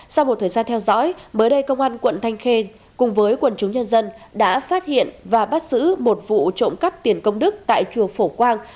sau một thời gian theo dõi mới đây công an quận thanh khê cùng với quần chúng nhân dân đã phát hiện và bắt giữ một vụ trộm cắp tiền công đức tại chùa phổ quang